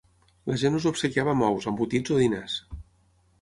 La gent els obsequiava amb ous, embotits o diners.